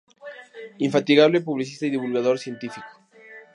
Infatigable publicista y divulgador científico.